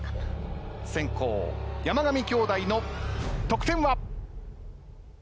先攻山上兄弟の得点は？